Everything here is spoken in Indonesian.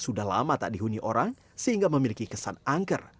sudah lama tak dihuni orang sehingga memiliki kesan angker